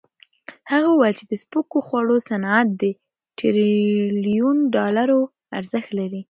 هغه وویل د سپکو خوړو صنعت د ټریلیون ډالرو ارزښت لري.